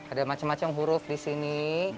ada macam macam huruf disini